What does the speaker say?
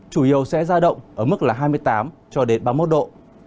chủ yếu sẽ ra động ở mức là hai mươi tám cho đến ba mươi một độ